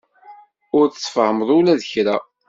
Ur tfehhmeḍ ula d kra.